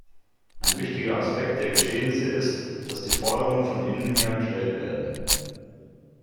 Ein wichtiger Aspekt der Geschehnisse ist, dass die Forderungen von innen her gestellt werden.